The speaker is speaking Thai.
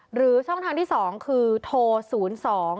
หรือช่องทางที่๒คือโทร๐๒๓๘๑๘๘๓๔๖